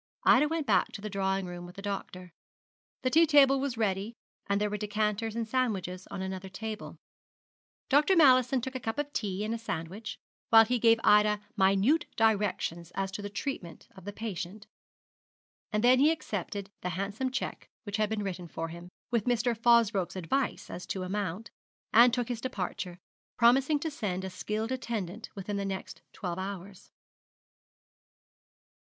Ida went back to the drawing room with the doctor. The tea table was ready, and there were decanters and sandwiches on another table. Dr. Mallison took a cup of tea and a sandwich, while he gave Ida minute directions as to the treatment of the patient. And then he accepted the handsome cheque which had been written for him, with Mr. Fosbroke's advice as to amount, and took his departure, promising to send a skilled attendant within the next twelve hours.